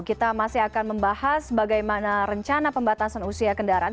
kita masih akan membahas bagaimana rencana pembatasan usia kendaraan